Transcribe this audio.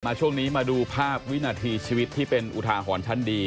ช่วงนี้มาดูภาพวินาทีชีวิตที่เป็นอุทาหรณ์ชั้นดี